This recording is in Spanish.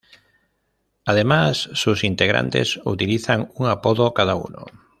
Además, sus integrantes utilizan un apodo cada uno.